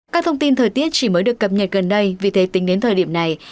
các thông tin thời tiết chỉ mới được cập nhật gần đây vì thế tính đến thời điểm này